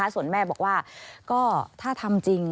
ส่วนแม่บอกว่าก็ถ้าทำจริง